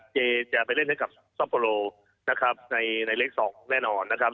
เจจะไปเล่นให้กับซัปโปโลนะครับในเล็ก๒แน่นอนนะครับ